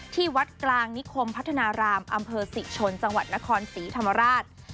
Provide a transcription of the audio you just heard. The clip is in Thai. ที่วัดกลางนิคมพัฒนารามอำเภอศรีชนจังหวัดนครศรีธรรมราช